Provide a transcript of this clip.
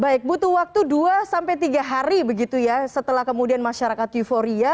baik butuh waktu dua sampai tiga hari begitu ya setelah kemudian masyarakat euforia